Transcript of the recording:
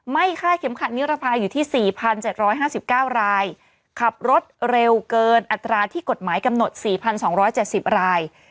ไม่ค่าเข็มขัดนิรภัยอยู่ที่สี่พันเจ็ดร้อยห้าสิบเก้ารายขับรถเร็วเกินอัตราที่กฎหมายกำหนดสี่พันสองร้อยเจ็ดสิบราย